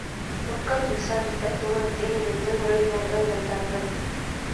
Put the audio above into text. துக்கம் விசாரிக்கத் தூரத்தில் இருந்து உறவினர்கள் வந்தார்கள்.